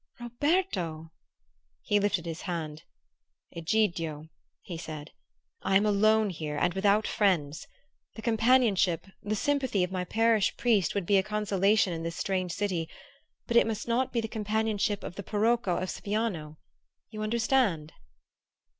"Roberto!" He lifted his hand. "Egidio," he said, "I am alone here, and without friends. The companionship, the sympathy of my parish priest would be a consolation in this strange city; but it must not be the companionship of the parocco of Siviano. You understand?"